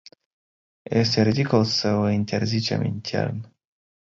Este ridicol să o interzicem intern.